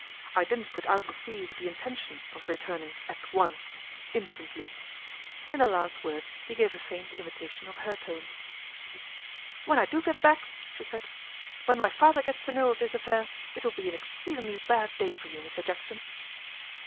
I didn't put out to sea with the intention of returning at once, instantly.' In the last words he gave a faint imitation of her tone. 'When I do get back,' she said, 'when my father gets to know of this affair, it will be an exceedingly bad day for you, Mr Jackson.